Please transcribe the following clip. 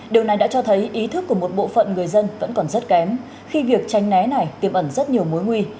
điều này đã cho thấy ý thức của một bộ phận người dân vẫn còn rất kém khi việc tranh né này tiềm ẩn rất nhiều mối nguy